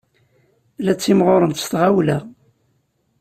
La ttimɣurent s tɣawla.